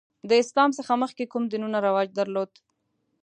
د اسلام څخه مخکې کوم دینونه رواج درلود؟